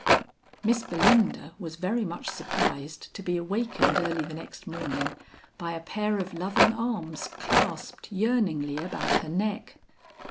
Miss Belinda was very much surprised to be awakened early the next morning, by a pair of loving arms clasped yearningly about her neck.